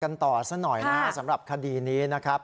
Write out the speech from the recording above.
กันต่อสักหน่อยนะสำหรับคดีนี้นะครับ